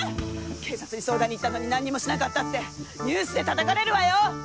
警察に相談に行ったのに何にもしなかったってニュースでたたかれるわよ！